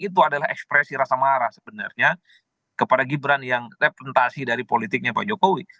itu adalah ekspresi rasa marah sebenarnya kepada gibran yang representasi dari politiknya pak jokowi